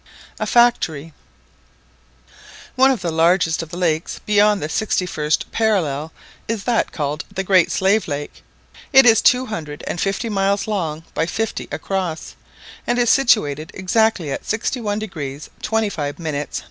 A FACTORY. One of the largest of the lakes beyond the 61st parallel is that called the Great Slave Lake; it is two hundred and fifty miles long by fifty across, and is situated exactly at 61° 25' N.